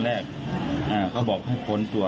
สวัสดีครับคุณผู้ชาย